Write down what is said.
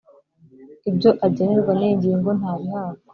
ibyo agenerwa n iyi ngingo ntabihabwa